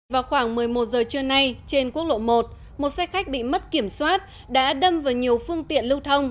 vào khoảng một mươi một giờ trưa nay trên quốc lộ một một xe khách bị mất kiểm soát đã đâm vào nhiều phương tiện lưu thông